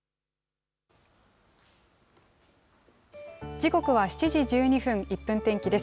時刻は７時１２分、１分天気です。